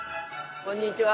こんにちは。